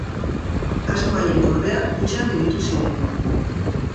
Asmo haiek, ordea, hutsean gelditu ziren.